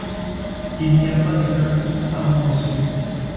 Il n'y a pas d'école à Armentieux.